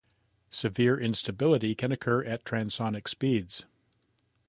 Severe instability can occur at transonic speeds.